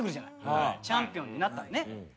チャンピオンになったらね。